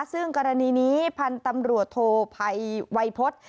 ซึ่งกรณีนี้พันธุ์ตำรวจโทภัยวัยพฤษ